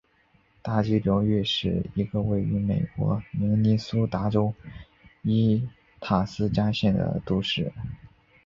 大急流城是一个位于美国明尼苏达州伊塔斯加县的都市。